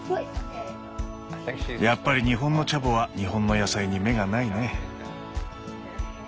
やっぱり日本のチャボは日本の野菜に目がないね。